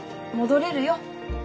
戻れるよ。